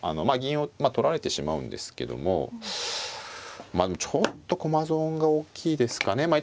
まあ銀で角を取られてしまうんですけどもまあでもちょっと駒損が大きいですかね。